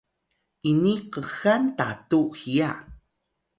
ini kxal tatu hiya